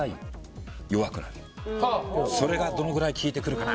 それがどのぐらい効いてくるかな